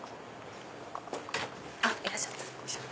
あっいらっしゃった。